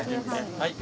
はい。